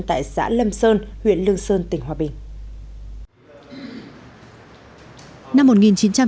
tại xã lâm sơn huyện lương sơn tỉnh hòa bình